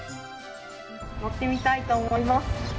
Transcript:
乗ってみたいと思います。